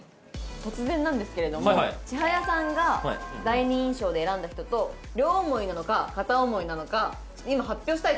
突然なんですけれどもチハヤさんが第二印象で選んだ人と両思いなのか片思いなのか今発表したいと思います。